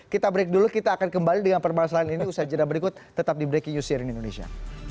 kita break dulu kita akan kembali dengan perbahasan ini usaha jadwal berikut tetap di breaking news sharing indonesia